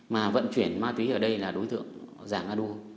mà vận chuyển ma túy ở đây là đối tượng giang anua